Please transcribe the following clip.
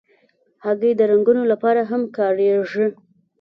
هګۍ د رنګونو لپاره هم کارېږي.